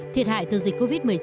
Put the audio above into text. thiệt hại từ dịch covid một mươi chín